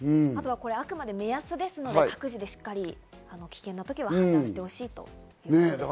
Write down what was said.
あくまで目安ですので各自でしっかり危険な時は判断してほしいということです。